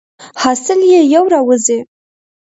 حاصل یې یو را وزي.